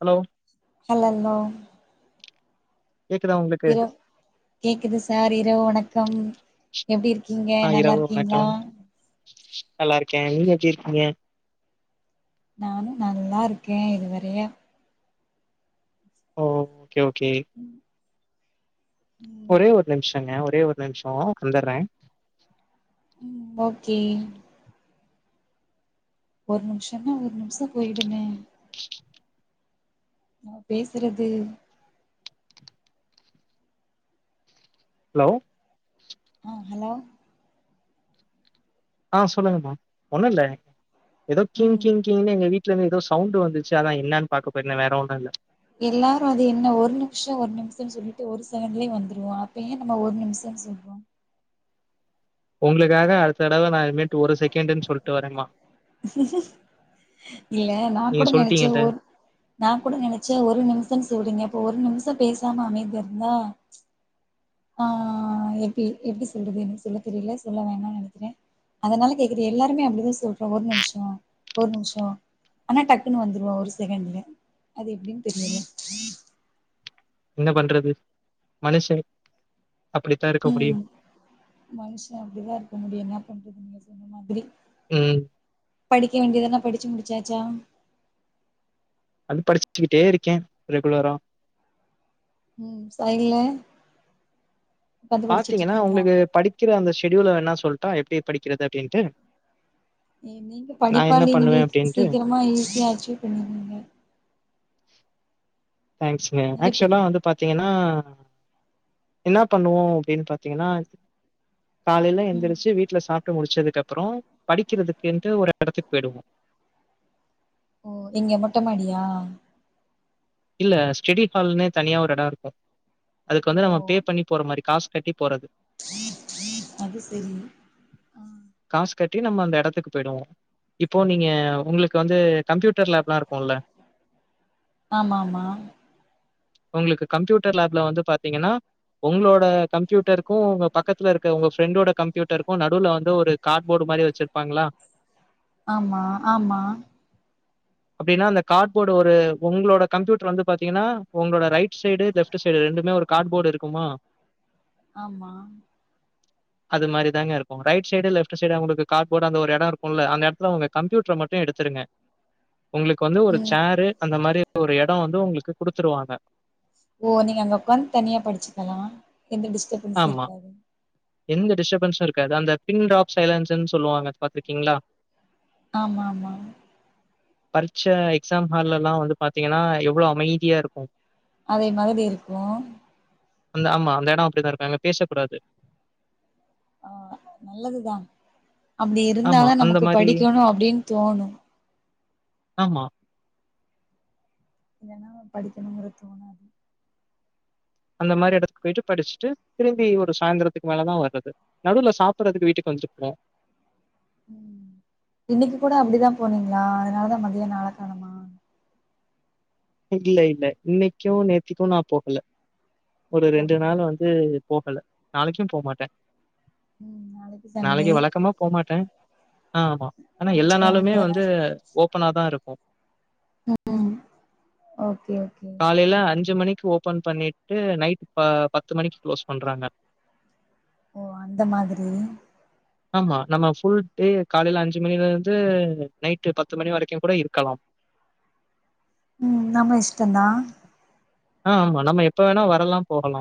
Hello hello கேக்குதா உங்களுக்கு இரவு கேக்குது சார் இரவு வணக்கம் எப்டி இருக்கீங்க ஆ நல்லா இரவு இருக்கீங்களா வணக்கம் நல்லா இருக்கே நீங்க எப்படி இருக்கீங்க நானும் நல்லா இருக்கே இதுவரைய ஓ ஓகே ஓகே ம் ம் ஒரே ஒரு நிமிஷங்க ஒரே ஒரு நிமிஷோ வந்தர்றே ம் ஓகே ஒரு நிமிஷம்னா ஒரு நிமிஷ போயிடுமே நா பேசுறது ஹலோ ம் ஹலோ ஆ சொல்லுங்கம்மா ஒண்ணு இல்ல ஏதோ கிங் ம் கிங் கிங்னு எங்க வீட்ல இருந்து ஏதோ சவுண்டு வந்துச்சு அதா என்னான்னு பாக்க போயிருந்தே வேற ஒன்னு இல்ல எல்லாரு அது என்ன ஒரு நிமிஷோ ஒரு நிமிஷோனு சொல்லிட்டு ஒரு செகண்ட்லயே வந்துருவோ அப்ப ஏன் நம்ம ஒரு நிமிஷம்னு சொல்றோ உங்ளுக்காக அடுத்த தடவ நா இனிமேட்டு ஒரு செகண்டுன்னு சொல்லிட்டு வரேமா இல்ல நா நீங்க கூட நெனசே சொல்ட்டீங்கல்ல ஓர் நா கூட நெனச்சே ஒரு நிமிஷம்னு சொல்றீங்க அப்போ ஒரு நிமிஷம் பேசாம அமைதியா இருந்தா ஆ எப்டி எப்டி சொல்றது எனக்கு சொல்ல தெரியல சொல்ல வேணாம்னு நனைக்கிற அதனால கேக்ற எல்லாருமே அப்டிதா சொல்றோ ஒரு நிமிஷோ ஒரு நிமிஷோ ஆனா டக்குன்னு வந்துருவா ஒரு செகண்ல அது எப்டின்னு தெரியல என்ன பண்றது மனுஷ அப்டித்தா இருக்க முடியு மனுஷ அப்டிதா இருக்க முடியு என்ன பண்றது நீங்க சொன்ன மாதிரி உம் படிக்க வேண்டியதெல்லா படிச்சி முடிச்சாச்சா அது படிச்சுக்கிட்டே இருக்கே ரெகுலரா ம் சைய்ல பாத்தீங்கன்னா இருக்கீங்களா உங்களுக்கு படிக்கிற அந்த ஷெடியூல வேனா சொல்லட்டா எப்டி படிக்கிறது அப்டின்ட்டு நீங்க நா என்ன படிப்பாளி பண்ணுவே நீங்க அப்டின்ட்டு சீக்கிரமா ஈஸியா அச்சீவ் பண்ணிருவீங்க தேங்க்ஸ்ங்க நீங்க ஆக்சுலா இப்ப வந்து பாத்தீங்கன்னா என்ன பண்ணுவோ அப்டின் பாத்தீங்கன்னா காலேல ம் எந்திரிச்சு வீட்ல சாப்டு முடிச்சதுக்கப்றோ படிக்கிறதுகின்ட்டு ஒரு எடத்து போய்டுவோ ஓ எங்க மொட்ட மாடியா இல்ல ஸ்டெடி ஹால்னே தனியா ஒரு எடோ இருக்கு அதுக்கு ஓ வந்து நம்ம பே பண்ணி போற மாரி காசு கட்டி போறது அது சேரி காசு கட்டி நம்ம அந்த எடத்துக்கு பேய்டுவோ இப்போ நீங்க உங்ளுக்கு வந்து கம்ப்யூட்டர் லேப்லா இருக்குல ஆமாம்மா உங்ளுக்கு கம்ப்யூட்டர் லேப்ல வந்து பாத்தீங்னா ஒங்ளோட கம்ப்யூட்டருகு உங்க பக்கத்துல இருக்க உங்க ஃப்ரெண்டோட கம்ப்யூட்டருகு நடுலவந்து ஒரு காட்போர்டு மாரி வச்சிருப்பாங்களா ஆமா ஆமா அப்டின்னா அந்த காட்போர்டு ஒரு உங்களோட கம்ப்யூட்டர் வந்து பாத்தீங்கன்னா உங்களோட ரைட் சைடு லெஃப்ட் சைடு ரெண்டுமே ஒரு கார்ட்போர்டு இருக்குமா ஆமா அது மாதிரி தா இருக்கு ரைட் சைடு லெஃப்ட் சைடு உங்களுக்கு கார்போர்ட அந்த ஒரு எடோ இருக்கும்ல்ல அந்த எடத்துல உங்க கம்யூட்டர மட்டு எடுத்துருங்க உங்களுக்கு வந்து ஒரு ம் சேரு அந்த மாதிரி ஒரு எடோ வந்து உங்களுக்கு குடுத்துருவாங்க ஓ நீங்க அங்க உட்காந்து தனியா படிச்சுக்கலா எந்த டிஸ்ட ஆமா எந்த டிஸ்டர்பன்ஸும் இருக்காது அந்த பின் ட்ராப் சைலன்ஸ்ன்னு சொல்லுவாங்க பாத்துருக்கீங்களா ஆமா ஆமா பரிட்ச எக்ஸா ஹால்லல்லா வந்து பாத்தீங்கன்னா எவ்வளோ அமைதியா இருக்கு அதே மாதிரி இருக்கு அந்த ஆமா அந்த எடோ அப்டிதா இருக்கு அங்க பேச கூடாது ஆ நல்லதுதா அப்டி ஆமா, இருந்தாதா அந்த நமக்கு மாரி படிக்கணு அப்டின்னு தோணு ஆமா இல்லன்னா படிகணுறுத் தோணாது அந்த மாரி எடத்து போயிட்டு படிச்ட்டு திரும்பி ஒரு சாயந்திரத்துக்கு மேல தா வர்றது நடுவுல சாப்டுறதுக்கு வீட்டுக்கு வந்துபோவோ இன்னைக்கு கூட அப்டிதா போனீங்களா அதனாலதா மதியோ ஆளகாணுமா இல்ல இல்ல இன்னைக்கு நேத்தக்கு நா போகல ஒரு ரெண்டு போகல நாள் வந் உம் போகல நாளைக்கு போமாட்ட ம் நாளைக்கு வழக்கமா போமாட்ட ஆமா ஆனா எல்லா நாளுமே வந்து ஞாயிற்றுக்கிழமங்கறதுனால ஓப்பனாதா இருக்கு ம் ஓகே ஓகே காலைல அஞ்சு மணிக்கு ஓப்பன் பண்ணிட்டு நைட் ப பத்து மணிக்கு க்ளோஸ் பண்றாங்க ஓ அந்த மாதிரி ஆமா நம்ம ஃபுல் டே காலைல அஞ்சு மணில இருந்து நைட்டு பத்து மணி வரைக்குங் கூட இருக்கலா ம் நம்ம இஷ்டந்தா ஆ ஆமா நம்ம வேணா வரலா போலா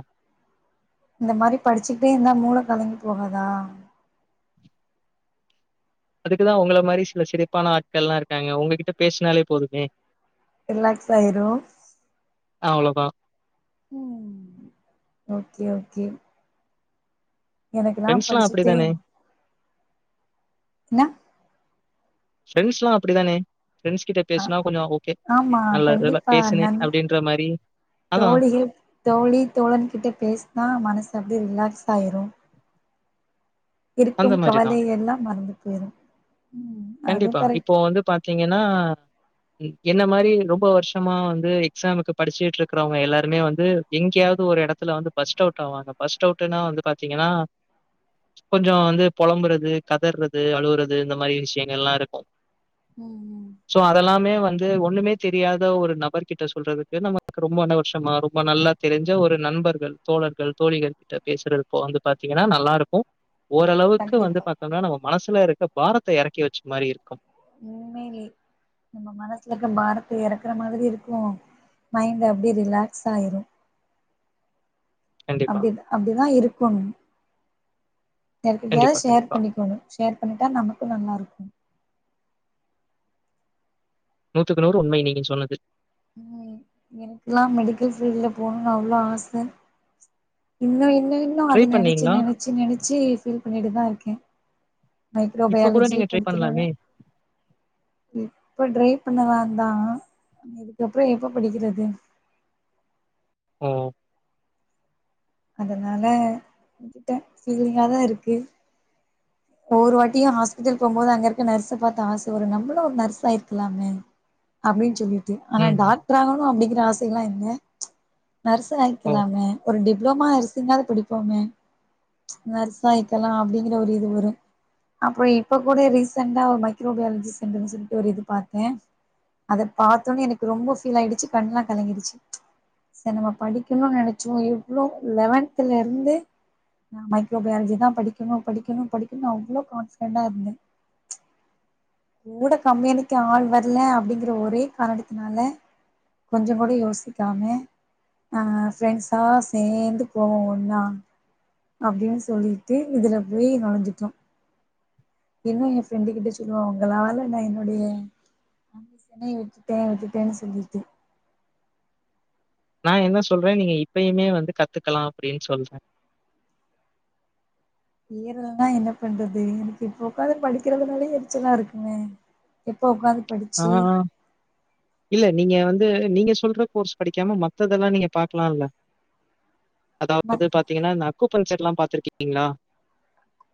இந்த மாரி படிச்சுகிட்டே இருந்தா மூள கலங்கி போகாதா அதுக்குதா உங்கள மாரி சில சிரிப்பான ஆட்கள்ல்லா இருக்காங்க உங்ககிட்ட பேசினாலே போதுமே ரிலாக்ஸ் ஆயிரு அவ்ளதா ம் ஓகே ஓகே எனக்குதா ஃப்ரெண்ட்ஸ்லாம் படிச்சுட்டே அப்படிதானே! ன்னா ஃப்ரெண்ஸெல்லா அப்டிதானே ஃப்ரெண்ட்ஸ் கிட்ட ஆ பேசுனா கொஞ்சோ ஓகே ஆமா நல்ல வேல கண்டிப்பா பேசுனே நன் அப்டின்ற மாரி அதா தோழிகள் தோழி தோழன்கிட்ட பேசினா மனசு அப்டியே ரிலாக்ஸ் ஆயிரு அந்த இருக்கும் மாரி கவலை தான். எல்லா மறந்து போயிரு ம் அதுவு கண்டிப்பா கரெக்ட் இப்போ வந்து பாத்தீங்கனா என்ன மாரி ரொம்ப வருஷமா வந்து எக்ஸாமுக்கு படிச்சுட்டு இருக்கறவங்க எல்லாருமே வந்து எங்கயாவது ஒரு எடத்துல வந்து பஸ்ட் அவுட் ஆவாங்க பஸ்ட் அவுட்ன்னா வந்து பாத்தீங்கனா [inaudible] கொஞ்சோ வந்து பொலம்பறது கதர்றது அழுவுறது இந்த மாரி விஷ்யங்கள்ல்லா இருக்கு ம் ம் சோ அதெல்லாமே வந்து ஒன்னுமே தெரியாத ஒரு நபர்கிட்ட சொல்றதுக்கு நமக்கு ரொம்ப வருஷமா ரொம்ப நல்லா தெரிஞ்ச ஒரு நண்பர்கள் தோழர்கள் தோழிகள் கிட்ட பேசறது இப்ப வந்து பாத்தீங்கனா நல்லா இருக்கு ஓரளவுக்கு வந்து கண்டிப்பா பாத்தம்னா நம்ம மனசுல இருக்க பாரத்த எறக்கி வெச்ச மாரி இருக்கு உண்மைலயே நம்ம மனசுல இருக்க பாரத்த எறக்கற மாதிரி இருக்கு மைண்ட் அப்டியே ரிலாக்ஸ் ஆயிரு கண்டிப்பா, அப்டி அப்டிதா இருக்கோணு கண்டிப்பா, யார்கிட்டயாவது ஷேர் கண்டிப்பா. பண்ணிக்கோணு ஷேர் பண்ணிட்டா நமக்கு நல்லா இருக்கு நூத்துக்கு நூறு உண்மை நீங்க சொன்னது ம் எனக்கெல்லா மெடிக்கல் ஃபீல்ட்ல போணுனு அவ்ளோ ஆச இன்னு இன்னு இன்னு ட்ரை அத நெனச்சு பண்ணீங்களா? நெனச்சு நெனச்சு ஃபீல் பண்ணிட்டுதா இருக்கேன் இப்ப கூட மைக்ரோபயாலஜி நீங்க ட்ரை படுத்துறாங்க பண்ணலாமே! இப்ப ட்ரை பண்ணலாந்தா இதுக்கப்றோ எப்ப படிக்கறது ம் அதனால விட்ட ஃபிலீங்காதா இருக்கு ஒவ்வொருவாட்டியு ஹாஸ்பிட்டல் போம்போது அங்க இருக்க நர்ஸ பாத்து ஆச வரு நம்மளு ஒரு நர்ஸ் ஆயிருக்கலாமே அப்டின்னு சொல்லி ஆனா ம். டாக்டர் ஆகணு அப்டிங்கிற ஆசை எல்லா இல்ல நர்ஸ் ஓ! ஆயிருக்கலாமே ஒரு டிப்ளோமா நர்சிங்காது படிப்போமே நர்சாயிக்கலா அப்டிங்கிற ஒரு இது வரு அப்றோ இப்ப கூட ரீசெண்டா ஒரு மைக்ரோ பயாலஜி சென்டர்ன்னு சொல்ட்டு ஒரு இது பாத்த அத பாத்தோனே எனக்கு ரொம்ப ஃபீல் ஆயிடுச்சு கண்ணுலா கலங்கிடுச்சு ம்ச் சரி நம்ம படிக்கணும்னு நெனைச்சோ இவ்ளோ லெவன்தல இருந்து நா மைக்ரோ பயாலஜி தா படிக்கணு படிக்கணு படிக்கணு நா அவ்ளோ கான்ஃபிடண்ட்டா இருந்த கூட கம்பேனிக்கு ஆள் வரல அப்படிங்குற ஒரே காரணத்தினால கொஞ்சோ கூட யோசிக்காம அ ஃப்ரெண்ட்ஸா சேந்து போவோ ஒன்னா அப்டின்னு சொல்லிட்டு இதுல போய் நொழஞ்சுட்டோ இன்னு எ ஃப்ரெண்டு கிட்ட சொல்லுவ உங்களாலதா நா என்னுடைய அந்த சென்னைய விட்டுட்டே விட்டுட்டன்னு சொல்லிட்டு நா என்ன சொல்ற நீங்க இப்பயுமே வந்து கத்துக்கலா அப்டின்னு சொல்ற ஏறல்லனா என்ன பண்றது எனக்கு இப்ப உக்காந்து படிக்குறதுனாலயே எரிச்சலா இருக்குமே எப்போ உக்காந்து ஆ, படிச்சு இல்ல நீங்க வந்து நீங்க சொல்ற கோர்ஸ் படிக்காம மத்ததெல்லா நீங்க பாக்கலால்ல மத் அதாவது பாத்தீங்கன்னா இந்த அக்குபஞ்சர்ல்லா பாத்துருக்கீங்களா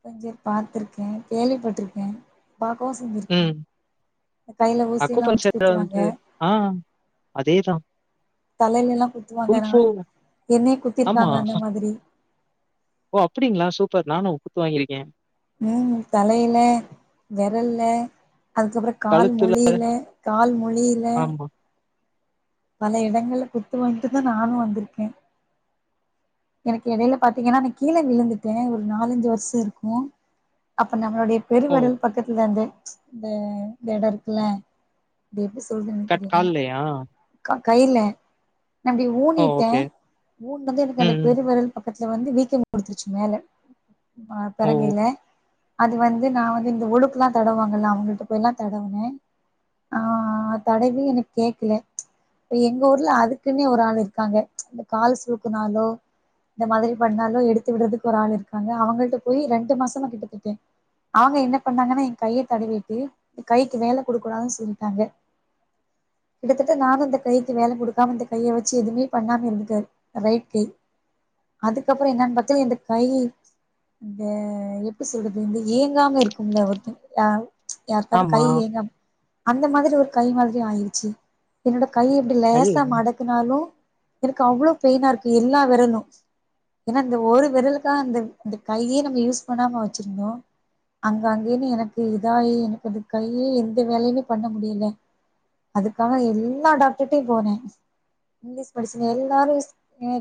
கொஞ்சர் பாத்திருக்க கேள்விப்பட்ருக்க பாக்கவு செஞ்சிருக்க ம். இந்த கைய்ல ஊசில்லா வச்சு அக்குபஞ்சர் வந்து குத்துவாங்க ஆ அதேதான். தலையிலல்லா குத்துவாங்கனா குங்ஃபூ என்னயு ஆமா. குத்திருக்காங்க அந்த மாதிரி ஓ அப்படிங்களா சூப்பர் நானு குத்து வாங்கிருக்கே ம் தலையில வெரல்ல அதுக்கப்புறக் கழுத்துல கால்முலியில கால்முலியில ஆமா. பல இடங்கள்ல குத்து வாங்கிட்டு தா நானு வந்திருக்க எனக்கு இடயில பாத்தீங்கனா நா கீல விழுந்துட்ட ஒரு நாலஞ்சு வருஷ இருக்கு அப்ப நம்மளுடயப் ஓ! பெருவரல் பக்கத்லந்தே ம்ச் அந்து இந்த எடோ இருக்குல இத எப்டி சொல்றதுனே கட் தெரியல கால்லயா? க கயில நா இப்படி ஓ! ஊனிட்ட ஓகே. ஊன்னது எனக்கு ம், அந்தப் ம். வெரல் பக்கத்ல வந்து வீக்கோ குடுத்துருச்சு மேல அ ஓ! பெரங்கையில அது வந்து நா வந்து இந்த ஒழுக்குலா தடவாங்கல அவங்கள்ட்ட போய்லா தடவுனே ஆ அத் தடவி எனக்கு கேக்கல ம்ச் எங்க ஊர்ல அதுக்குனே ஒரு ஆள் இருக்காங்க ம்ச் அந்த கால் சுளுக்குனாலோ இந்த மாதிரி பண்ணாலு எடுத்து விடறதுக்கு ஒரு ஆள் இருக்காங்க அவங்கள்ட்ட போய் ரெண்டு மாசமா கிட்டத்தட்ட அவங்க என்ன பண்ணாங்கன்னா என் கைய தடவிட்டு என் கைக்கு வேல குடுக்கூடாதுனு சொல்டாங்க கிட்டதட்ட நானு இந்த கைக்கு வேல குடுக்காம இந்த கைய வச்சு எதுமே பண்ணாம இருந்துட்டே ரைட் கை அதுகப்புறோ என்னனு பாத்த இந்த கையி த எப்ப சொல்றது இந்த ஏங்காம இருகும்ல ஒர்தே ஆவு ம்ச் யார்காது கை ஆமா. ஏங்கம் அந்த மாதிரி ஒரு கை மாதிரியு ஆயிருச்சு என்னோட கை இப்டி ஐயய்யோ! லேசா மடக்குனாலு எனக்கு அவ்ளோ பெயினா இருக்கு எல்லா வெரலு ஏன்னா இந்த ஒரு விரலுக்கா அந்த அந்த கையே நம்ம யூஸ் பண்ணாம வச்சிருந்தோ அங்க அங்கன்னு எனக்கு இதாயி எனக்கு அது கையே எந்த வேலையுமே பண்ண முடியல அதுக்காக எல்லா டாக்டர்ட்டையு போனே இங்கிலீஷ் மெடிசின் எல்லாருஸ்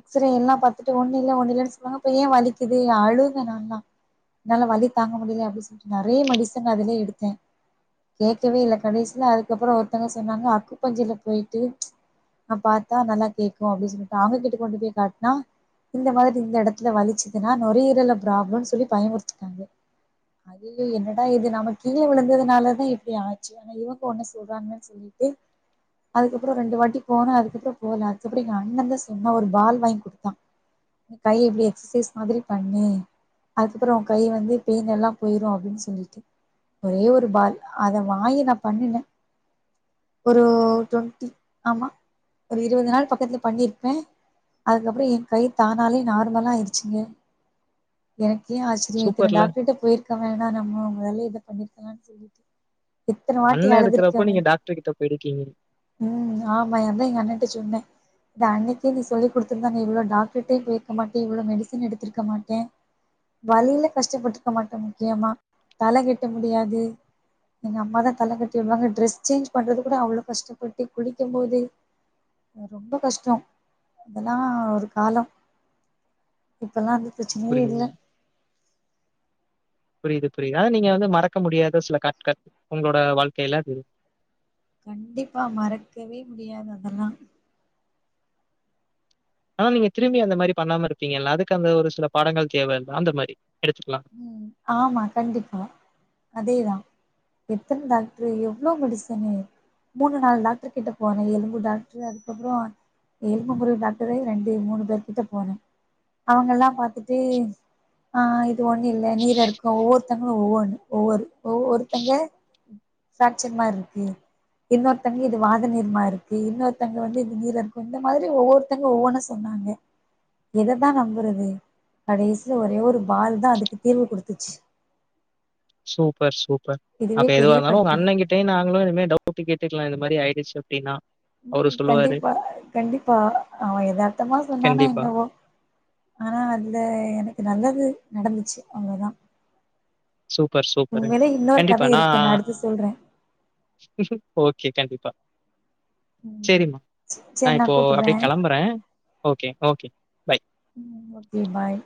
எக்ஸ்ரே எல்லா பாத்துட்டு ஒன்னு இல்ல ஒன்னு இல்லன்னு சொல்லுவாங்க அப்ப ஏ வலிக்குது அழுத நால்லா என்னால வலி தாங்க முடியல அப்டி சொல்லிட்டு நெறைய மெடிசன் அதுலயே எடுத்தே கேக்கவே இல்ல கடைசில அதுக்கப்புறோ ஒருத்தவங்க சொன்னாங்க அக்குப்பஞ்சர்ல போயிட்டு ம்ச் ஆ பாத்தா நல்லா கேக்கு அப்டின்னு சொல்லிட்டு அவங்க கிட்ட கொண்டு போய் காட்டனா இந்த மாரி இந்த இடத்ல வலிச்சிதுனா நுரையீரல்ல ப்ராப்ளம்னு சொல்லி பயமுறித்திட்டாங்க ஐயய்யோ என்னடா இது நம்ம கீழ விழுந்ததுனாலதா இப்டி ஆச்சு ஆனா இவுங்க ஒண்ணு சொல்றாங்க ட்டு அதுக்கப்பறோ ரெண்டு வாட்டி போன அதுக்கப்பறோ போல அதுக்கக்கப்றோ அண்ண தா சொன்னா ஒரு பால் வாங்கி குடுத்தா கை எப்டி எக்சைஸ் மாதிரி பண்ணி அதுக்கப்பறோ கை வந்து பெயின் எல்லா போய்ரோ அப்டின்னு சொலிட்டு ஒரே ஒரு பால் அத வாங்கி நா பண்ணுனே ஒரு டொண்ட்டி ஆமா ஒரு இருவது நாள் பக்கத்தில பண்ணியிருப்பே அதுக்கப்பறோ எ கை தானாலே நார்மல ஆயிடுச்சிங்க எனக்கே ஆச்சிரியோ இத்தன சூப்பர்ல. டாக்டர்ட்ட போயிருக்க வேணா நம்மோ மொதல்ல இத பண்ணிருக்கலானு சொலிட்டு எத்தன வாட்டி அண்ணன் இருக்கிறப்போ நீங்க அழுதுருக்கேம்னு டாக்டர் கிட்ட போயிருக்கீங்க. ம் ஆமா அதா எங் அண்ண கிட்ட சொன்னே இத அன்னிகே நீ சொல்லி குடுத் திருந்தா நீ இவ்ளோ டாக்ட்ருடயு போயிருக்கமாட்டே இவ்ளோ மெடிசன் எடுத்துருக்கமாட்டே வலில கஷ்டப்பட்ருக்க மாட்டே முக்கியமா தல கட்ட முடியாது எங்க அம்மா தா தல கட்டி வுடுவாங்க டிரெஸ் சேஞ்ச் பண்றது கூட அவ்ளோ கஷ்டப்பட்டு குளிக்கு போது ரொம்ப கஷ்டோ அதலா ஒரு காலோ இப்பலா வந்து பிரெச்சனயே இல்ல புரியுது, புரிது புரிது அத நீங்க வந்து மறக்க முடியாத சில கட்கட் உங்களோட வாழ்க்கைல அது கண்டிப்பா மறக்கவே முடியாது அதெல்லா ஆனா நீங்க திரும்பி அந்த மாரி பண்ணாம இருப்பீங்க ல்ல அதுக்கு அந்த ஒரு சில பாடங்கள் தேவ ல அந்த மாரி எடுத்க்கலா ம் ஆமா கண்டிப்பா அதேதா எத்தன டாக்ட்ரு எவ்ளோ மெடிசனு மூணு நாலு டாக்டர் கிட்ட போனே எலும்பு டாக்டரு அதுக்கப்பறோ எலும்பு முறிவு டாக்டரே ரெண்டு மூணு பேர்கிட்ட போனே அவுங்கெல்லா பாத்துட்டு ஆ இது ஒண்ணு இல்ல நீரா இருக்கு ஒவ்வொருதங்க ஒவ்ஒன்னு ஒவ்வொரு ஒவ்வொருத்தங்க சாச்சன் மாரி இருக்கு இன்னொருத்தங்க இது வாத நீர்மா ருக்கு இன்னொருத்தங்க வந்து இது நீரா இருக்கு இந்த மாரி ஒவ்வொரு தங்க ஒவ்வொன்னு சொன்னாங்க எத தா நம்புறது கடைசில ஒரே ஒரு பால் தா அதுக்கு தீர்வு குடுத்துச்சு சூப்பர் சூப்பர் அப்ப இதுவே எதுவாக பெரிய இருந்தாலு உங்க படிப்பு அண்ணங்கிட் டயு நாங்களு இனிமே டவுட் கேட்டுக்கலா இந்த மாரி ஆயிடுச்சு அப்டினா ம் கண்டிப்பா கண்டிப்பா அவ எதார்த்தமா சொன்னானா கண்டிப்பா. என்னவோ ஆனா அந்த எனக்கு நல்லது நடந்துச்சு அவ்ளோதா சூப்பர் சூப்பரு உண்மையிலே இன்னொரு கத கண்டிப்பா நா இருக்கு அடுத்து சொல்றே ஓகே கண்டிப்பா ம் சேரிமா நா சேரி இப்போ கூப்புட்றே அப்டியே கெளம்புறே ஓகே ஓகே பை. ம் ஓகே பாய்